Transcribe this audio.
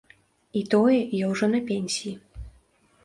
І тое, я ўжо на пенсіі.